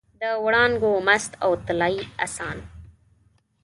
د وړانګو مست او طلايي اسان